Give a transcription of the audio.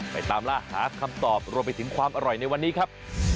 ไปตามล่าหาคำตอบรวมไปถึงความอร่อยในวันนี้ครับ